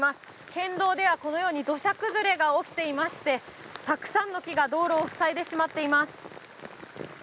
県道ではこのように土砂崩れが起きていまして、たくさんの木が道路を塞いでしまっています。